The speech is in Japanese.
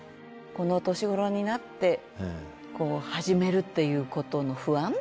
この年頃になって始めるっていうことの不安。